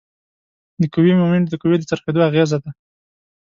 د قوې مومنټ د قوې د څرخیدو اغیزه ده.